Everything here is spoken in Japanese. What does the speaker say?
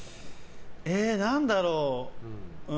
何だろう。